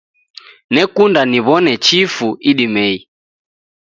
Nekunda niwo'ne chifu idimei.